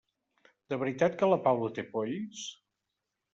De veritat que la Paula té polls?